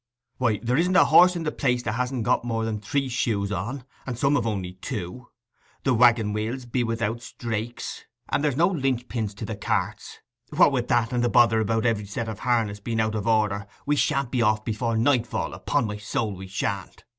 'Why, there isn't a horse in the place that has got more than three shoes on, and some have only two. The waggon wheels be without strakes, and there's no linch pins to the carts. What with that, and the bother about every set of harness being out of order, we shan't be off before nightfall—upon my soul we shan't.